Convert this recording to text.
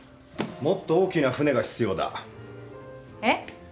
「もっと大きな船が必要だ」えっ？